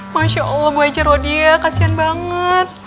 masya allah bu ajar rodia kasian banget